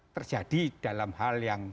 terjadi dalam hal yang